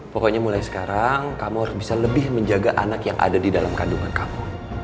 pokoknya mulai sekarang kamu harus bisa lebih menjaga anak yang ada di dalam kandungan kamu